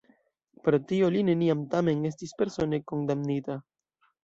Pro tio li neniam tamen estis persone kondamnita.